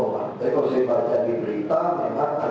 mereka yang terlihatkan